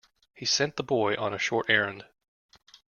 He sent the boy on a short errand.